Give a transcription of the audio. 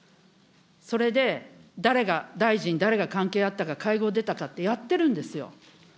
それで、誰が大臣、誰が関係あったか、会合でたかってやってるんですよ。